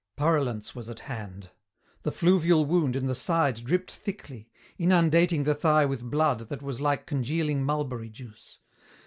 Purulence was at hand. The fluvial wound in the side dripped thickly, inundating the thigh with blood that was like congealing mulberry juice.